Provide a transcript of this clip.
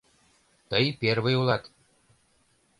Тый первый улат...